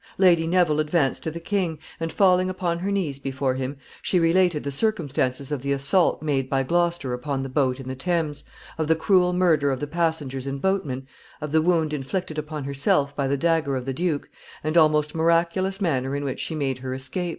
Lady Neville advanced to the king, and, falling upon her knees before him, she related the circumstances of the assault made by Gloucester upon the boat in the Thames, of the cruel murder of the passengers and boatmen, of the wound inflicted upon herself by the dagger of the duke, and the almost miraculous manner in which she made her escape.